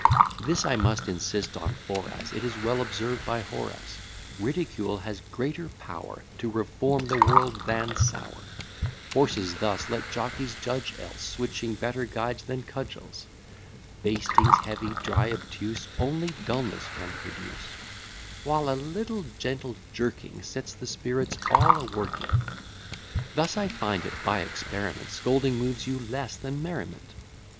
This I must insist on; for, as It is well observed by Horace, Ridicule has greater power To reform the world than sour. Horses thus, let jockeys judge else, Switches better guide than cudgels. Bastings heavy, dry, obtuse, Only dulness can produce; While a little gentle jerking Sets the spirits all a working. Thus, I find it by experiment, Scolding moves you less than merriment.